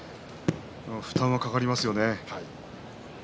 負担はかかりますよね。